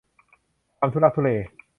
ความทุลักทุเล